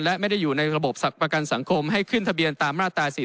และไม่ได้อยู่ในระบบประกันสังคมให้ขึ้นทะเบียนตามมาตรา๔๔